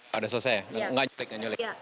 oke sudah selesai